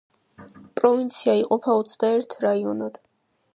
პროვინცია იყოფა ოცდაერთ რაიონად.